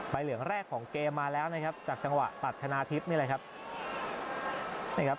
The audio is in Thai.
เหลืองแรกของเกมมาแล้วนะครับจากจังหวะตัดชนะทิพย์นี่แหละครับ